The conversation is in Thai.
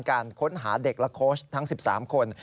การค้นหาเด็กและโค้ชทั้ง๑๓คน